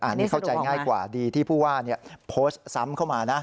อันนี้เข้าใจง่ายกว่าดีที่ผู้ว่าโพสต์ซ้ำเข้ามานะ